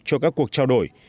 cho các cuộc trao đổi